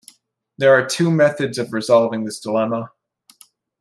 There are two methods of resolving this dilemma.